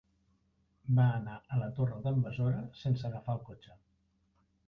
Va anar a la Torre d'en Besora sense agafar el cotxe.